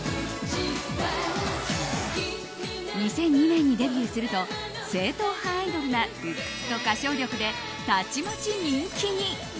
２００２年にデビューすると正統派アイドルなルックスと歌唱力で、たちまち人気に。